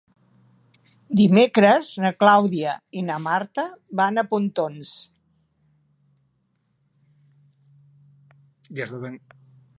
Dimecres na Clàudia i na Marta van a Pontons.